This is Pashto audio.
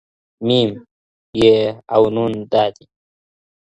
ميم، يې او نون دادي